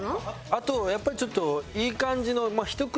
あとやっぱりちょっといい感じのひと口